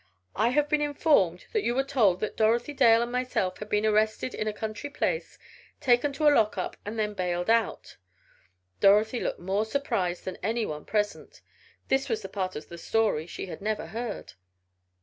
I have been informed that you were told that Dorothy Dale and myself had been arrested in a country place, taken to a lock up and then bailed out!" (Dorothy looked more surprised than any one present; this was the part of the story she had never heard).